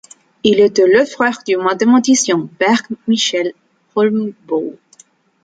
Il était le frère du mathématicien Bernt Michael Holmboe.